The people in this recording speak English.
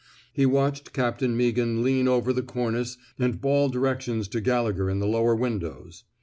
He watched Captain Meaghan lean over the cornice and bawl directions to Gallegher in the lower windows.